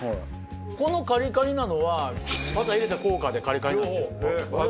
このカリカリなのはバター入れた効果でカリカリになってる。